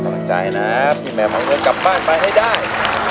กำลังใจนะพี่แมวเอาเงินกลับบ้านไปให้ได้